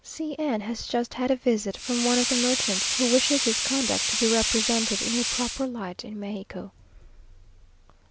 C n has just had a visit from one of the merchants, who wishes his conduct to be represented in a proper light in Mexico.